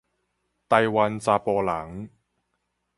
臺灣查埔人